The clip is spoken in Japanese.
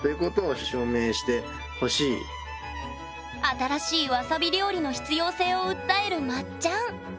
新しいわさび料理の必要性を訴えるまっちゃん